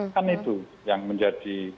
kan itu yang menjadi